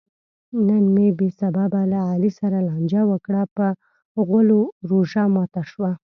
نن مې بې سببه له علي سره لانجه وکړه؛ په غولو روژه ماته شوه.